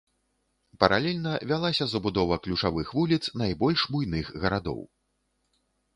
Паралельна вялася забудова ключавых вуліц найбольш буйных гарадоў.